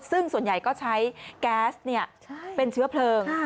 ซึ่งส่วนใหญ่ก็ใช้แก๊สเป็นเชื้อเพลิง